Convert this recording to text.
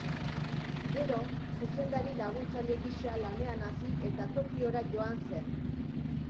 Gero, zuzendari-laguntzaile gisa lanean hasi, eta Tokiora joan zen.